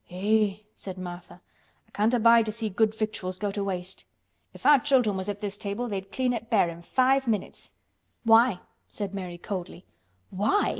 "Eh!" said Martha. "I can't abide to see good victuals go to waste. If our children was at this table they'd clean it bare in five minutes." "Why?" said Mary coldly. "Why!"